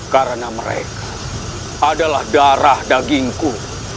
karena mereka adalah darah dagingku